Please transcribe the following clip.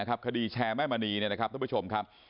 คดีแชร์แม่มณีท่านผู้ชมครับ